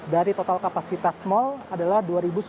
dari total kapasitas mal adalah dua ribu sembilan ratus tiga puluh lima